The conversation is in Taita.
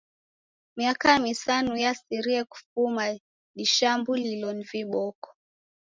Miaka misanu yasirie kufuma dishambulilo ni viboko.